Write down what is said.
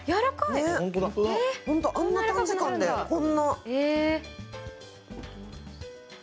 あんな短時間で、こんな。